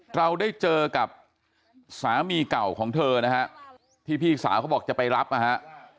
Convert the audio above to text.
เราได้เจอกับสามีเก่าของเธอนะฮะที่พี่สาวเขาบอกจะไปรับนะฮะ